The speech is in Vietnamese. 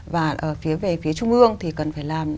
và ở phía về phía trung ương thì cần phải làm